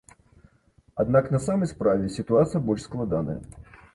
Аднак на самай справе сітуацыя больш складаная.